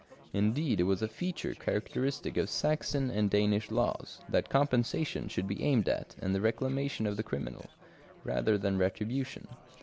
Indeed it was a feature characteristic of Saxon and Danish laws, that compensation should be aimed at and the reclamation of the criminal, rather than retribution.